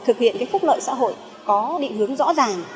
thực hiện phúc lợi xã hội có định hướng rõ ràng